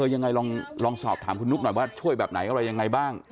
ยังไงลองสอบถามคุณนุ๊กหน่อยว่าช่วยแบบไหนอะไรยังไงบ้าง